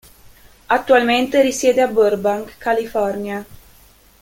Attualmente risiede a Burbank, California.